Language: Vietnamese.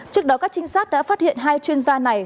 trước đó các trinh sát đã phát hiện hai chuyên gia này